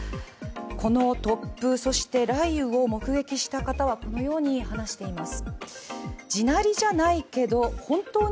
この突風そして雷雨を目撃した方はこのように話しています。